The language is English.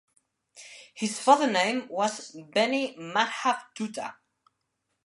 His father name was Beni Madhab Dutta.